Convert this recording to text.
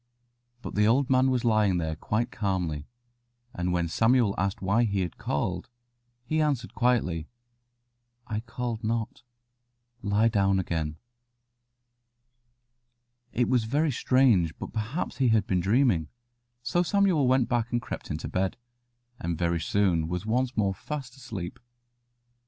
But the old man was lying there quite calmly, and when Samuel asked why he had called, he answered quietly, "I called not; lie down again." It was very strange; but perhaps he had been dreaming, so Samuel went back and crept into bed, and very soon was once more fast asleep.